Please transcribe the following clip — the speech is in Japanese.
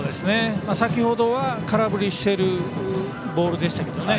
先程、空振りしているボールでしたけどね。